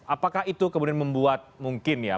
apakah itu kemudian membuat mungkin ya